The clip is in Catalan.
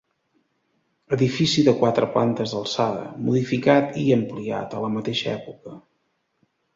Edifici de quatre plantes d'alçada, modificat i ampliat a la mateixa època.